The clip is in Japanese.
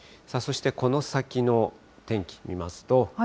そして、この先の天気見ますと。